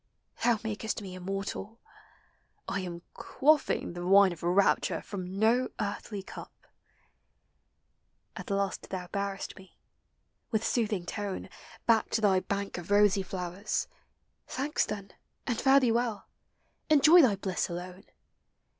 Thou makest me immortal ! I am quaffing The wine of rapture from no earthly cup ! At last thou bearest me, with soothing tone, Back to thy bank of rosy flowers : Thanks, then, and fare thee well ! Enjoy thy blis& alone!